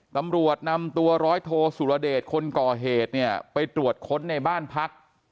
ตำรวจนำตัวร้อยโทสุรเดชคนก่อเหตุเนี่ยไปตรวจค้นในบ้านพัก